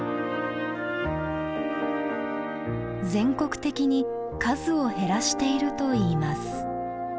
全国的に数を減らしているといいます。